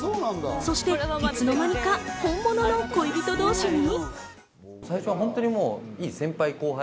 そして、いつの間にか本物の恋人同士に。